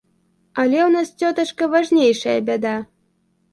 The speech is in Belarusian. Але ў нас, цётачка, важнейшая бяда.